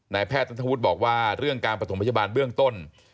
แพทย์นัทธวุฒิบอกว่าเรื่องการประถมพยาบาลเบื้องต้น